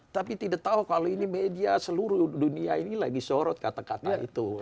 tapi tidak tahu kalau ini media seluruh dunia ini lagi sorot kata kata itu